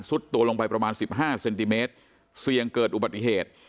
สุดตัวลงไปประมาณ๑๕เซนติเมตรเสียงเกิดอุบัติเหตุ